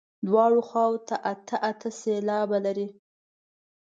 دواړو خواوو ته اته اته سېلابه لري.